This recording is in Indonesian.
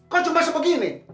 kok cuma sepegini